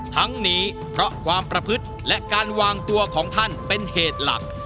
ทั้งนี้เพราะความประพฤติและการวางตัวของท่านเป็นเหตุหลัก